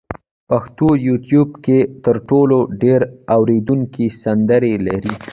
پښتو یوټیوب کې تر ټولو ډېر اورېدونکي سندرې لري.